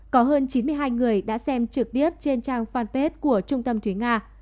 có hơn chín mươi hai người đã xem trực tiếp trên trang fanpage của trung tâm thuế nga